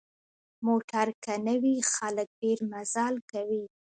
موټر که نه وي، خلک ډېر مزل کوي.